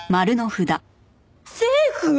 セーフ！？